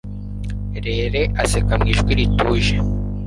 Rere aseka mu ijwi rituje,